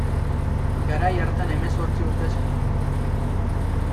Garai hartan hemezortzi urte zituen.